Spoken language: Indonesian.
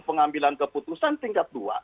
pengambilan keputusan tingkat dua